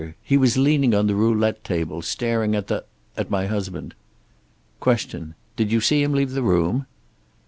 "He was leaning on the roulette table, staring at the at my husband." Q. "Did you see him leave the room?"